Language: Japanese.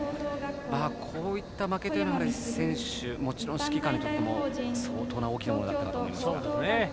こういった負けというのはもちろん指揮官にとっても相当大きなものだったと思います。